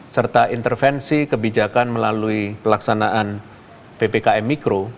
serta intervensi kebijakan melalui pelaksanaan ppkm mikro